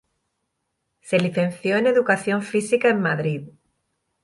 Se licenció en Educación Física en Madrid.